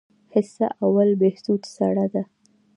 حصه اول بهسود سړه ده؟